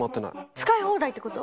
使い放題ってこと？